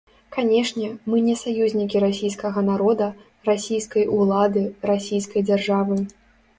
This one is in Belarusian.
Канешне, мы не саюзнікі расійскага народа, расійскай улады, расійскай дзяржавы.